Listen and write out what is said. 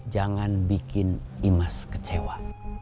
jangan bikin imas kecewa